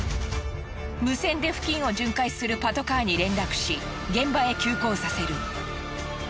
無線で付近を巡回するパトカーに連絡し現場へ急行させる。